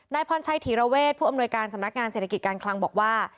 พรชัยถีระเวทผู้อำนวยการสำนักงานเศรษฐกิจการคลังบอกว่า